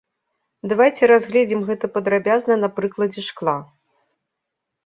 Давайце разгледзім гэта падрабязна на прыкладзе шкла.